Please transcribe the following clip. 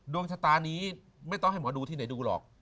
ดวงชะตานี้ไม่ต้องให้หมอดูที่ไหนดูหรอก